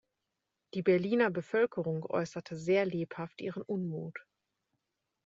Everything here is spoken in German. Die Berliner Bevölkerung äußerte sehr lebhaft ihren Unmut.